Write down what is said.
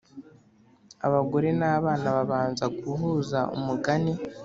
abagore nabana babanza guhuza umugani